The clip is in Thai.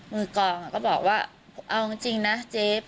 มือกองก็บอกว่าเอาจริงนะเจ๊